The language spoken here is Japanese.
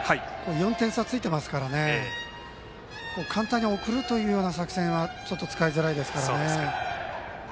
４点差ついてますから簡単に送るというような作戦はちょっと使いづらいですよね。